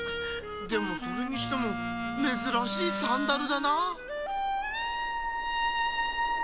でもそれにしてもめずらしいサンダルだなあ。